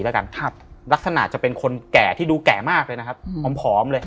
แล้วกันครับลักษณะจะเป็นคนแก่ที่ดูแก่มากเลยนะครับผอมเลย